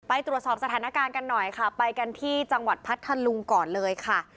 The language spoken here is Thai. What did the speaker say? ตรวจสอบสถานการณ์กันหน่อยค่ะไปกันที่จังหวัดพัทธลุงก่อนเลยค่ะ